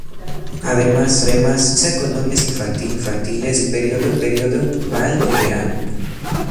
Además, organiza colonias infantiles durante el periodo vacacional de verano.